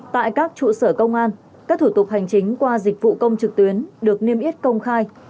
tại các trụ sở công an các thủ tục hành chính qua dịch vụ công trực tuyến được niêm yết công khai